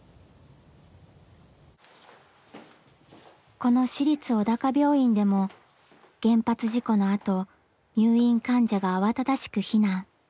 この市立小高病院でも原発事故のあと入院患者が慌ただしく避難。